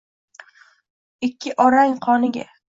Ikki orang qoniga.